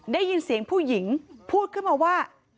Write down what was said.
ได้ยินเสียงผู้หญิงพูดขึ้นมาว่า